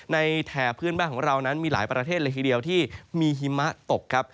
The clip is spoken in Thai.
แถบพื้นบ้านของเรานั้นมีหลายประเทศเลยทีเดียวที่มีหิมะตกครับ